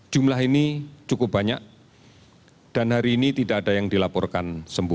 jumlah ini cukup banyak dan hari ini tidak ada yang dilaporkan